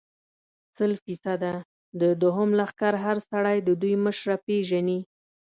سل فیصده، د دوهم لښکر هر سړی د دوی مشره پېژني.